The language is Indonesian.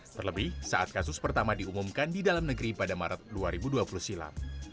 terlebih saat kasus pertama diumumkan di dalam negeri pada maret dua ribu dua puluh silam